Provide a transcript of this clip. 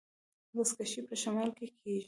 بزکشي په شمال کې کیږي